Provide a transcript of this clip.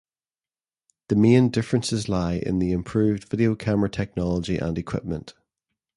The main differences lie in the improved video camera technology and equipment.